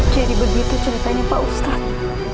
jadi begitu ceritanya pak ustadz